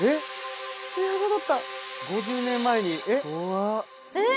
５０年前にえっ？